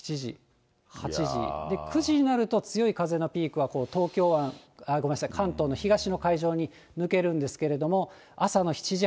９時になると、強い風のピークは関東の東の海上に抜けるんですけれども、朝の７時、